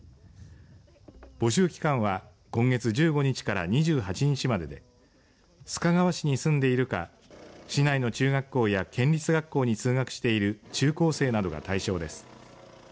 募集期間は今月１５日から２８日までで須賀川市に住んでいるか市内の中学校や県立学校に通学している中高生などが対象です。